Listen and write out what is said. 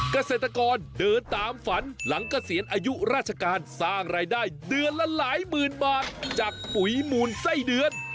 เกษตรกรเดินตามฝันหลังเกษียณอายุราชการสร้างรายได้เดือนละหลายหมื่นบาทจากปุ๋ยหมูลไส้เดือน